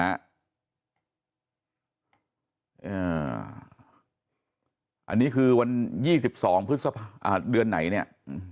อันนี้คือวัน๒๒พฤษภาเดือนไหนเนี่ย